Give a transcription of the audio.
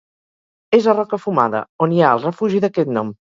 És a Roca Fumada, on hi ha el refugi d'aquest nom.